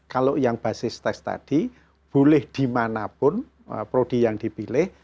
kalau yang basis tes tadi boleh dimanapun prodi yang dipilih